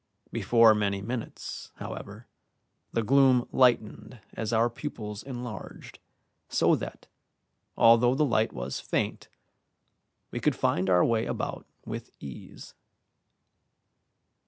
Before many minutes, however, the gloom lightened as our pupils enlarged, so that, although the light was faint, we could find our way about with ease.